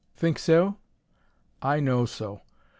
"Think so?" "I know so!